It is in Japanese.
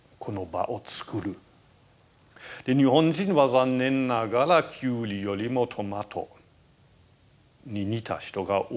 日本人は残念ながらキュウリよりもトマトに似た人が多いんですね。